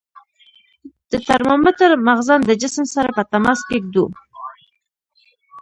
د ترمامتر مخزن د جسم سره په تماس کې ږدو.